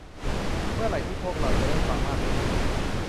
เมื่อไหร่ที่พวกเราจะได้ฟังมากกว่านี้อีก